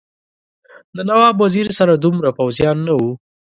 د نواب وزیر سره دومره پوځیان نه وو.